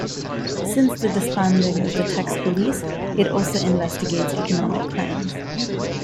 Since the disbanding of the "Tax Police", it also investigates economic crimes.